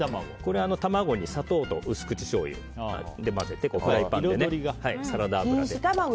卵に砂糖と薄口しょうゆで混ぜてフライパンでサラダ油で。